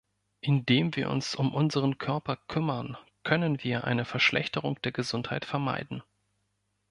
Indem wir uns um unseren Körper kümmern, können wir eine Verschlechterung der Gesundheit vermeiden.